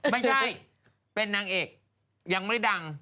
ไม่ใช่เป็นนางเอกยังไม่ดัง